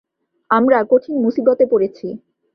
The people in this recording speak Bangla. আমরা কঠিন মুসিবতে পড়েছি।